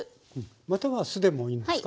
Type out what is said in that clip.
または酢でもいいんですか？